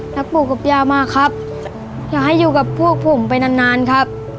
ปู่กับย่ามากครับอยากให้อยู่กับพวกผมไปนานนานครับ